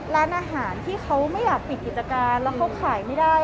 ร้านอาหารที่เขาไม่อยากปิดกิจการแล้วเขาขายไม่ได้